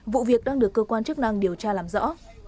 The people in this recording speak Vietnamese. vụ việc đang được cơ quan chức năng điều tra làm rõ